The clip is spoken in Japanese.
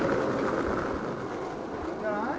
・いいんじゃない？